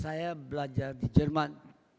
saya belajar di jerman